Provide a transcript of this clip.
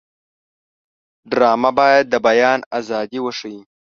ډرامه باید د بیان ازادي وښيي